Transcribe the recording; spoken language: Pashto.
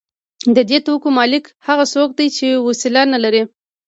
د دې توکو مالک هغه څوک دی چې وسیله نلري